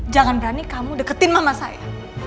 jangan berani kamu deketin mama saya